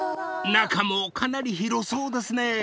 ［中もかなり広そうですね］